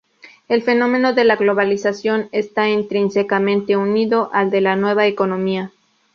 El fenómeno de la globalización está intrínsecamente unido al de la Nueva Economía.